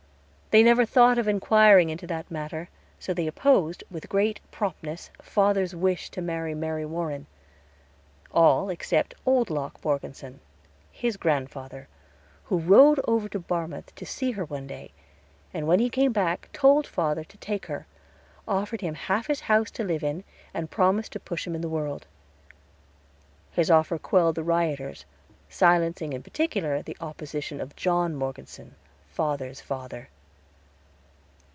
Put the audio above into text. They never thought of inquiring into that matter, so they opposed, with great promptness, father's wish to marry Mary Warren. All, except old Locke Morgeson, his grandfather, who rode over to Barmouth to see her one day, and when he came back told father to take her, offered him half his house to live in, and promised to push him in the world. His offer quelled the rioters, silencing in particular the opposition of John Morgeson, father's father.